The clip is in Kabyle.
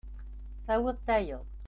Tawiḍ-d tayeḍ.